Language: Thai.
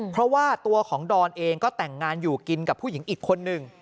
เพราะว่าตัวของดอนเองก็แต่งงานอยู่กินกับผู้หญิงอีกคนหนึ่ง